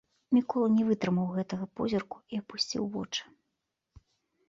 Мікола не вытрымаў гэтага позірку і апусціў вочы.